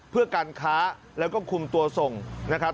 เพื่อการค้าแล้วก็คุมตัวส่งนะครับ